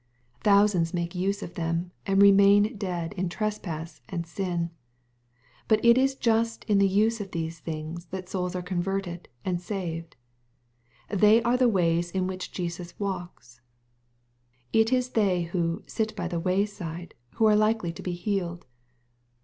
Thousands make use of them, and remain dead in trespasses and sins. But it is just in the use of these things that souls are converted and saved. They are the ways in which Jesus walks. It is they who "sit by the way side" who are likely to be healed.